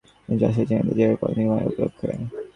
তিনি যশোর-ঝিনাইদহ রেলপথ নির্মাণ উপলক্ষে।